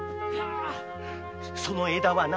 その枝はな